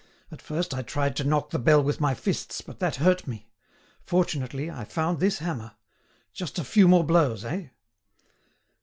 At first I tried to knock the bell with my fists, but that hurt me. Fortunately I found this hammer. Just a few more blows, eh?"